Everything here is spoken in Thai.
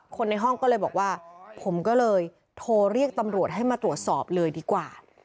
คนในห้องก็เลยบอกว่าผมก็เลยโทรเรียกตำรวจให้มาตรวจสอบเลยดีกว่า